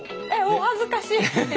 えっお恥ずかしい。